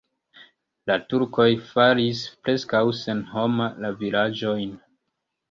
La turkoj faris preskaŭ senhoma la vilaĝojn.